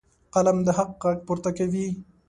قلم د حق غږ پورته کوي.